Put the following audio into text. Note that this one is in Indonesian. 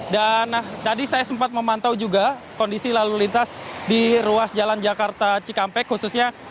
dan tadi saya sempat memantau juga kondisi lalu lintas di ruas jalan jakarta cikampek khususnya